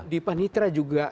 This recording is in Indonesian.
di panitra juga